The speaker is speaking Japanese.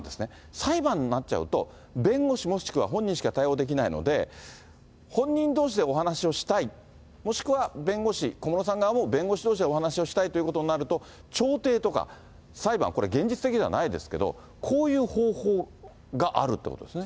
裁判になっちゃうと、弁護士もしくは本人しか対応できないので、本人どうしでお話をしたい、もしくは弁護士、小室さん側も弁護士どうしでお話しをしたいということになると、調停とか、裁判、これ、現実的ではないですけど、こういう方法があるということですね。